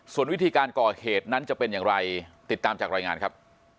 ส่วนวิธีการก่อเหตุนั้นจะเป็นอย่างไรติดตามจากรายงานครับ